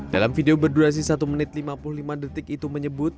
dalam video berdurasi satu menit lima puluh lima detik itu menyebut